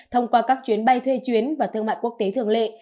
thông qua các chuyến bay thuê chuyến và thương mại quốc tế thường lệ